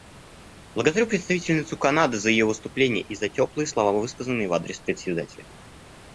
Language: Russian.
Благодарю представительницу Канады за ее выступление и за теплые слова, высказанные в адрес Председателя.